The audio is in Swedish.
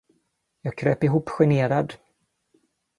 Jag kröp ihop generad.